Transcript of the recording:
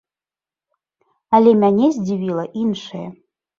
Але мяне здзівіла іншае.